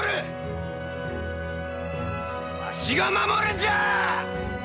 わしが守るんじゃあ！